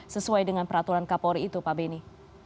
sesuai dengan peraturan kapolri itu pak beni